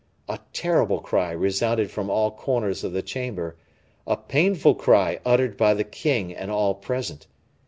A terrible cry resounded from all corners of the chamber, a painful cry uttered by the king and all present.